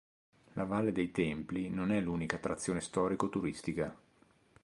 La Valle dei Templi non è l'unica attrazione storico-turistica.